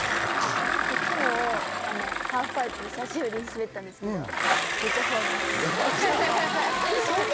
昨日ハーフパイプ久しぶりに滑ったんですけどめっちゃ怖かったです。